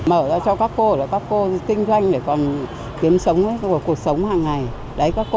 mở ra cho các cô là các cô kinh doanh để còn kiếm sống cuộc sống hàng ngày